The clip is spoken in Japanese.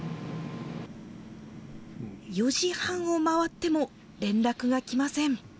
４時半を回っても、連絡が来ません。